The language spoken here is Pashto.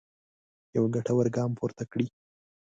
یو ګټور ګام پورته کړی.